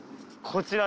［こちら］